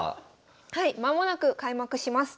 はい間もなく開幕します。